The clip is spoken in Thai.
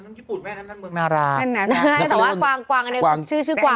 น้ำญี่ปุ่นแม่น้ำน้ำเมืองนาราใช่ใช่แต่ว่ากวางกวางอันนี้ชื่อชื่อกวาง